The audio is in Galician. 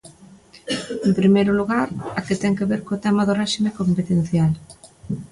En primeiro lugar, a que ten que ver co tema do réxime competencial.